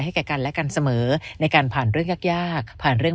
แก่กันและกันเสมอในการผ่านเรื่องยากยากผ่านเรื่อง